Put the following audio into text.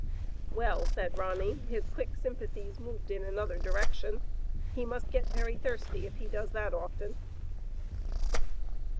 "Well," said Ronny, his quick sympathies moved in another direction, he must get very thirsty if he does that often."